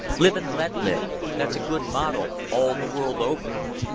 "Live, and let live" that's a good motto all the world over.